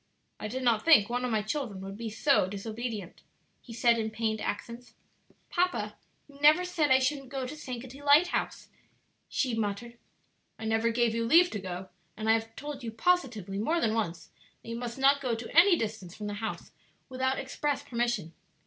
"I did not think one of my children would be so disobedient," he said, in pained accents. "Papa, you never said I shouldn't go to Sankaty Lighthouse," she muttered. "I never gave you leave to go, and I have told you positively, more than once, that you must not go to any distance from the house without express permission.